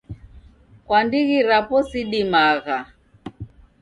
Kwa ndighi rapo sidimagha.